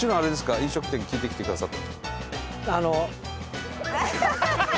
飲食店聞いてきてくださった。